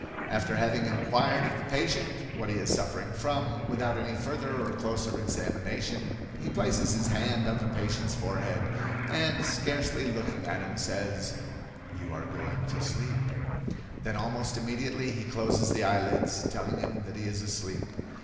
"After having inquired of the patient what he is suffering from, without any further or closer examination, he places his hand on the patient's forehead and, scarcely looking at him, says, 'You are going to sleep.' Then, almost immediately, he closes the eyelids, telling him that he is asleep.